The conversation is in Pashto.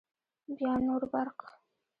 بیا نور برق